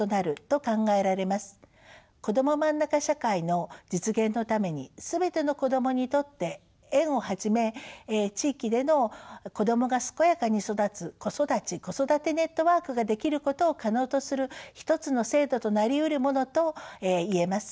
こどもまんなか社会の実現のために全ての子どもにとって園をはじめ地域での子どもが健やかに育つ子育ち子育てネットワークができることを可能とする一つの制度となりうるものといえます。